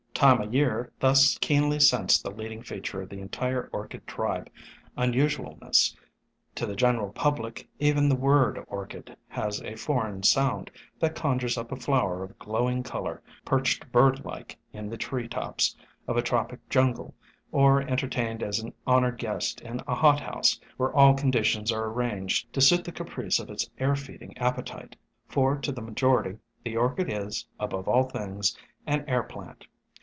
123 124 SOME HUMBLE ORCHIDS Time o' Year thus keenly sensed the leading feature of the entire Orchid tribe — unusualness. To the general public, even the word Orchid has a foreign sound that conjures up a flower of glow ing color perched bird like in the tree tops of a tropic jungle, or entertained as an honored guest in a hothouse, where all conditions are arranged to suit the caprice of its air feeding appetite ; for to the majority the Orchid is, above all things, an air plant.